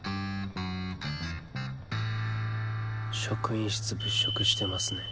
職員室物色してますね。